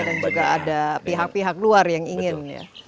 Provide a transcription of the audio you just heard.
dan juga ada pihak pihak luar yang ingin ya